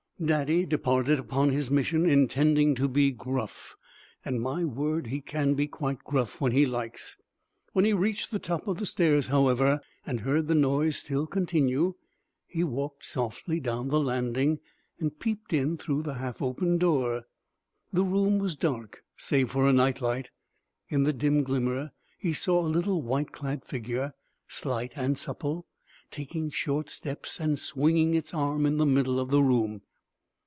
Daddy departed upon his mission intending to be gruff, and my word, he can be quite gruff when he likes! When he reached the top of the stairs, however, and heard the noise still continue, he walked softly down the landing and peeped in through the half opened door. The room was dark save for a night light. In the dim glimmer he saw a little white clad figure, slight and supple, taking short steps and swinging its arm in the middle of the room.